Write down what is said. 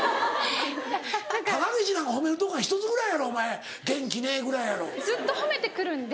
高岸なんか褒めるとこは１つぐらいやろ「元気ね」ぐらい。ずっと褒めてくるんで。